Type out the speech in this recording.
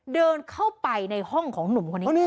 เดินเข้าไปในห้องของหนุ่มคนนี้